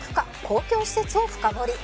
公共施設を深掘り